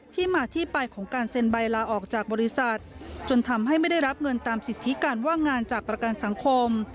ที่มาที่ไปของการเซ็นใบลาออกจากบริษัทจนทำให้ไม่ได้รับเงินตามสิทธิการว่างงานจากประกันสังคม